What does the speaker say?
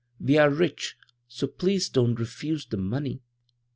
We are ritch so pleze dont refuze the munny."